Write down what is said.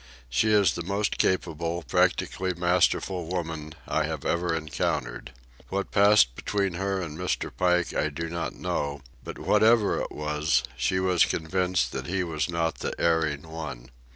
She is the most capable, practically masterful woman I have ever encountered. What passed between her and Mr. Pike I do not know; but whatever it was, she was convinced that he was not the erring one.